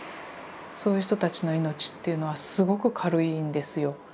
そういう人たちの命っていうのはすごく軽いんですよ。